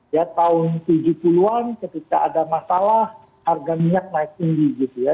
ya tahun tujuh puluh an ketika ada masalah harga minyak naik tinggi gitu ya